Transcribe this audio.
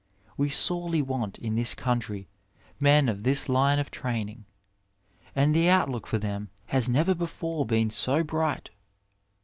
We sorely want, in this country, men of this line of training, and the outlook for them has never before been so bright.